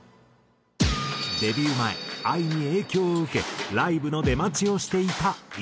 デビュー前ＡＩに影響を受けライブの出待ちをしていたｉｒｉ。